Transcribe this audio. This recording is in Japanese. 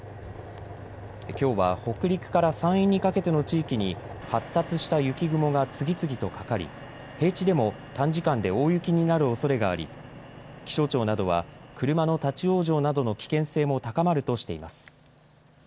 きょうは北陸から山陰にかけての地域に発達した雪雲が次々とかかり平地でも短時間で大雪になるおそれがあり気象庁などは、車の立往生などの危険性も高まるとしています。